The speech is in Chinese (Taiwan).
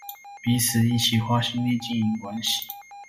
彼此一起花心力經營關係